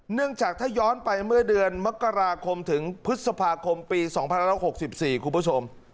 เนื่องจากถ้าย้อนไปเมื่อเดือนมกราคมถึงพฤษภาคมปี๒๑๖๔คุณผู้ชม